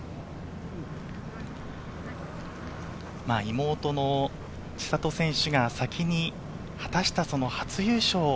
妹の千怜選手が先に果たした初優勝。